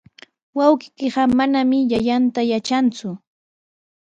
Wawqiiqa manami yapyayta yatranku.